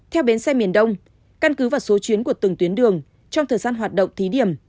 theo bến xe miền đông căn cứ vào số chuyến của từng tuyến đường trong thời gian hoạt động thí điểm